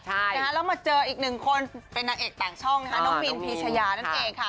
แล้วมาเจออีกหนึ่งคนเป็นนางเอกต่างช่องนะคะน้องมินพีชยานั่นเองค่ะ